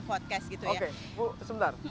podcast gitu ya bu sebentar